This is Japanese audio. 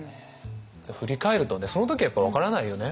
振り返るとその時はやっぱり分からないよね。